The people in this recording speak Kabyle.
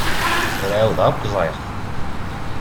Ur ɛawdeɣ akk ẓriɣ-t.